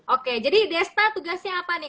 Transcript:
oke jadi desta tugasnya apa nih